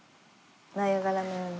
ナイアガラのように。